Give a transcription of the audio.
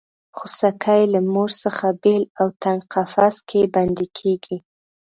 خوسکی له مور څخه بېل او تنګ قفس کې بندي کېږي.